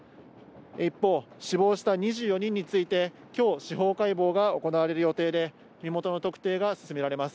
一方、死亡した２４人について今日、司法解剖が行われる予定で、身元の特定が進められます。